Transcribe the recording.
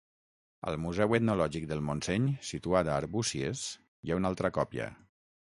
Al museu Etnològic del Montseny, situat a Arbúcies, hi ha una altra còpia.